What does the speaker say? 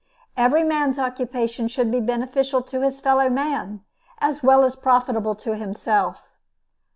Every man's occupation should be beneficial to his fellow man as well as profitable to himself.